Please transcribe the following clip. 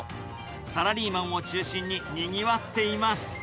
サラリーマンを中心ににぎわっています。